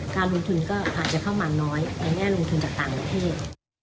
การลงทุนก็อาจจะเข้ามาน้อยในแง่ลงทุนจากต่างประเทศ